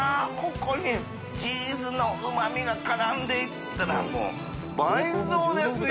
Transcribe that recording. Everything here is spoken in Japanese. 海海チーズのうま味が絡んでいったら發倍増ですよ